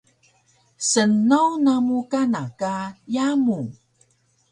snaw namu kana ka yamu